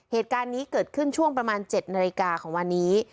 เหตุการณ์นี้เกิดขึ้นช่วงประมาณ๗นาฬิกาของวันนี้